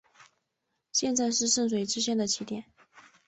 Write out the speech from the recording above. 现在是圣水支线的起点。